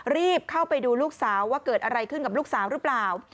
รีบเข้าไปดูลูกสาวว่าเกิดอะไรขึ้นกับลูกสาวหรือเปล่า